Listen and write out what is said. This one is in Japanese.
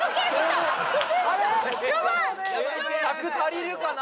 尺足りるかな？